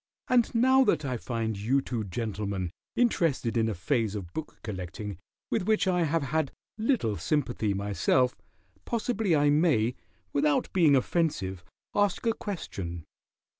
And now that I find you two gentlemen interested in a phase of book collecting with which I have had little sympathy myself, possibly I may, without being offensive, ask a question.